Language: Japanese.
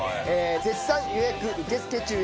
絶賛予約受付中です。